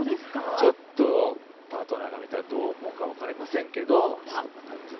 ちょっとパートナーが見たらどう思うか分かりませんけど、そんな感じで。